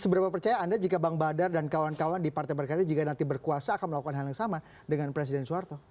seberapa percaya anda jika bang badar dan kawan kawan di partai berkarya jika nanti berkuasa akan melakukan hal yang sama dengan presiden soeharto